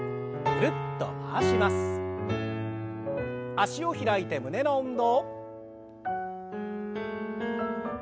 脚を開いて胸の運動。